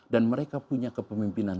dan mereka punya kepemimpinan